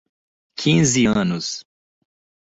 Quinze anos